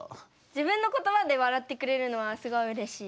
自分のことばで笑ってくれるのはすごいうれしい。